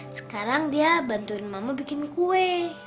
sekarang dia bantuin mama bikin kue